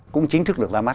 cũng chính thức được ra mắt